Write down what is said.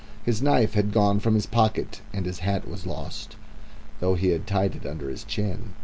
His knife had gone from his pocket and his hat was lost, though he had tied it under his chin.